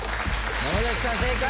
山崎さん正解。